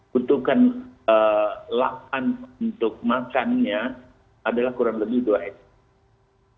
butuhkan lapan untuk makannya adalah kurang lebih dua ekor